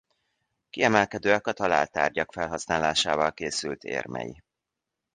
Kiemelkedőek a talált tárgyak felhasználásával készült érmei.